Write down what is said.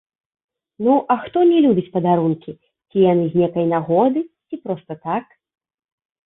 Ну, а хто не любіць падарункі, ці яны з нейкай нагоды, ці проста так?